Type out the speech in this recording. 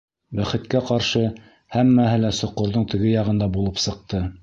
Бәхеткә ҡаршы, һәммәһе лә соҡорҙоң теге яғында булып сыҡты.